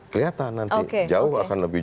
kelihatan nanti jauh akan lebih